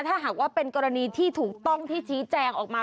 ถ้าหากว่าเป็นกรณีที่ถูกต้องที่ชี้แจงออกมา